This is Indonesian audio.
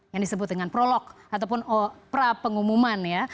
yang disebut dengan prolog ataupun prapengumuman ya